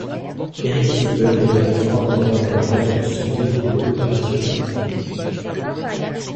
Eric Zipper est également formateur dans le cadre du secours et de l’opérationnel.